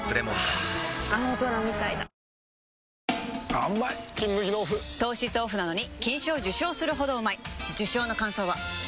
あーうまい「金麦」のオフ糖質オフなのに金賞受賞するほどうまい受賞の感想は？